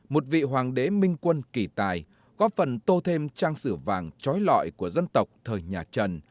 một vị hoàng đế minh quân kỳ tài góp phần tô thêm trang sử vàng trói lọi của dân tộc thời nhà trần